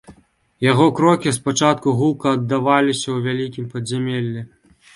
Яго крокі спачатку гулка аддаваліся ў вялікім падзямеллі.